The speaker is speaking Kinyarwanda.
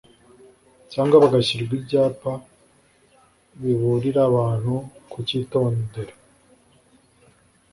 cyangwa hagashyirwa ibyapa biburira abantu kucyitondera